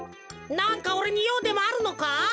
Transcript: なんかおれにようでもあるのか？